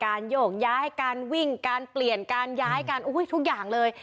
โยกย้ายการวิ่งการเปลี่ยนการย้ายการทุกอย่างเลย